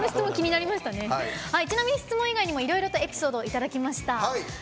ちなみに質問以外にもいろいろとエピソードをいただきました。